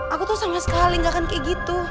aku tuh sangat sekali gak akan kayak gitu